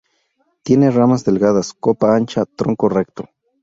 Tiene ramas delgadas, copa ancha, tronco recto.